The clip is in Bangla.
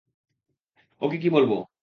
ওকে কী বলব?